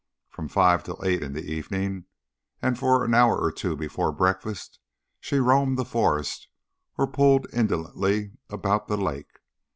From five till eight in the evening and for an hour or two before breakfast she roamed the forest or pulled indolently about the lake.